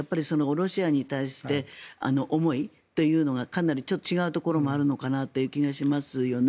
ロシアに対して思いというのがかなり違うところもあるのかなという気がしますよね。